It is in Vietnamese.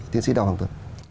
tiến sĩ đào hoàng tuấn